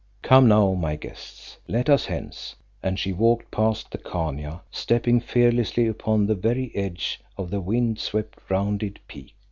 Come, now, my guests, let us hence," and she walked past the Khania, stepping fearlessly upon the very edge of the wind swept, rounded peak.